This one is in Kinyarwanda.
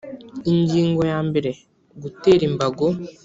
ingingo ya mbere gutera imbago